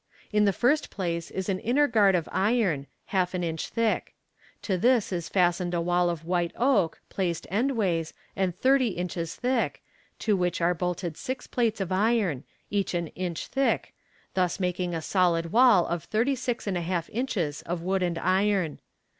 In the first place is an inner guard of iron, half an inch thick. To this is fastened a wall of white oak, placed endways, and thirty inches thick, to which are bolted six plates of iron, each an inch thick, thus making a solid wall of thirty six and a half inches of wood and iron.